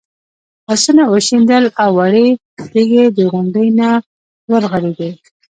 آسونه وشڼېدل او وړې تیږې د غونډۍ نه ورغړېدې.